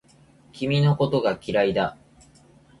君のことが嫌いだ